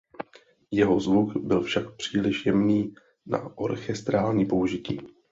Jeho zvuk byl však příliš jemný na orchestrální použití.